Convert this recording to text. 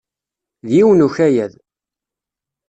D yiwen ukayad.